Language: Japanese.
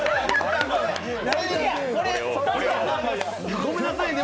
ごめんなさいねぇ。